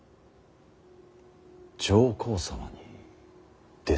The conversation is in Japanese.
上皇様にですか。